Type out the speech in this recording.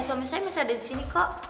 suami saya masih ada di sini kok